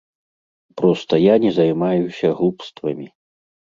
Проста я не займаюся глупствамі.